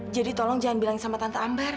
tolong jangan bilang sama tante ambar